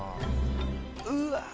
うわ。